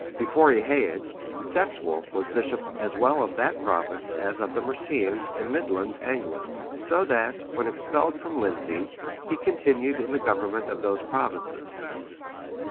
Before Eadhaed, Sexwulf(608) was bishop as well of that province as of the Mercians and Midland Angles; so that, when expelled from Lindsey, he continued in the government of those provinces.